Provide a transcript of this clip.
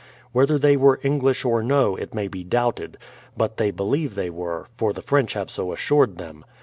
Whether they were English or no, it may be doubted ; but they believe they were, for the French have so assured them.